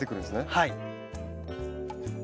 はい。